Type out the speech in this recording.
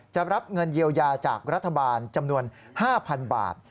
รับเงินเยียวยาจากรัฐบาลจำนวน๕๐๐๐บาท